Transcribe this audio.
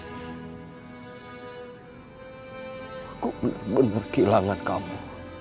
aku benar kehilangan kamu